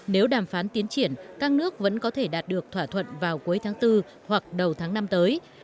nếu đàm phán tiến triển các nước vẫn có thể đạt được thỏa thuận vào cuối tháng bốn hoặc đầu tháng năm tới